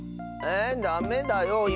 えダメだよ。